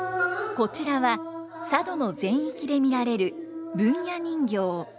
こちらは佐渡の全域で見られる文弥人形。